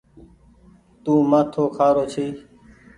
تو مآٿو کآرو ڇي۔